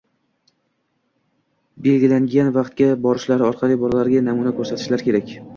belgilangan vaqtga borishlari orqali bolalariga namuna ko‘rsatishlari kerak.